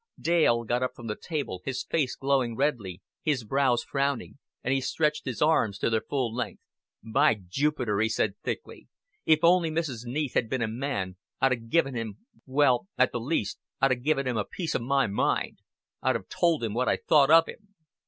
Dale got up from the table, his face glowing redly, his brows frowning; and he stretched his arms to their full length. "By Jupiter!" he said thickly, "if only Mrs. Neath had been a man, I'd 'a' given him well, at the least, I'd 'a' given him a piece of my mind. I'd have told him what I thought of him."